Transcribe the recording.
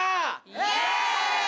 イエーイ！